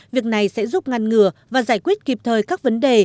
việc này sẽ giúp ngăn ngừa và giải quyết kịp thời các vấn đề